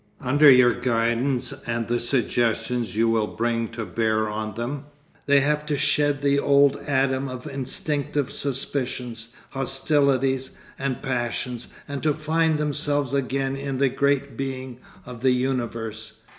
Under your guidance and the suggestions you will bring to bear on them, they have to shed the old Adam of instinctive suspicions, hostilities, and passions, and to find themselves again in the great being of the universe.